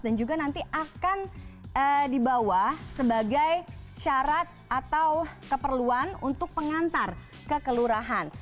dan juga nanti akan dibawa sebagai syarat atau keperluan untuk pengantar kekelurahan